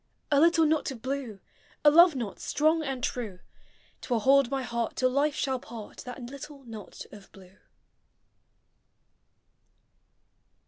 A little knot of blue, A love knot strong and true, T will hold my heart till life shall part — That little knot of blue.